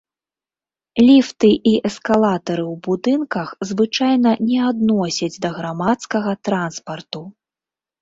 Ліфты і эскалатары ў будынках звычайна не адносяць да грамадскага транспарту.